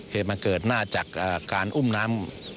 เหตุมันเกิดมาจากการอุ้มน้ำ